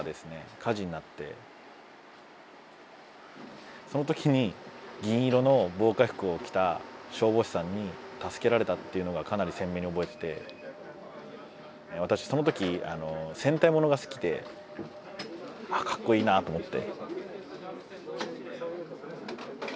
火事になってその時に銀色の防火服を着た消防士さんに助けられたっていうのがかなり鮮明に覚えてて私その時戦隊モノが好きでああかっこいいなと思って。